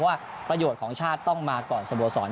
เพราะว่าประโยชน์ของชาติต้องมาก่อนสะโบสอน